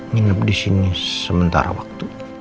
nginep disini sementara waktu